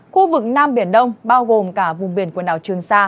khu vực nam biển đông bao gồm cả vùng biển quần đảo trường sa